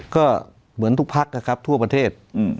ก็เหมือนทุกพักนะครับทั่วประเทศ